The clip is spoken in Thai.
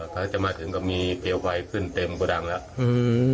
ถ้าจะมาถึงก็มีผิวไฟขึ้นเต็มกันอ่ะอืม